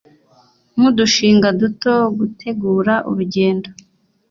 nk’udushinga duto, gutegura urugendo